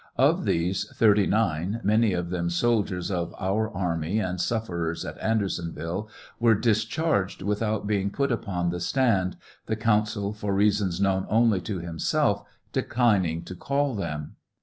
Of these, 39, many of them soldiers of our army and suflerers at Andersonville, were discharged without being put upon the stand, the counsel, for reasons known only to himself, declining to call them.